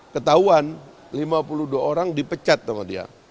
ketahuan lima puluh dua orang dipecat sama dia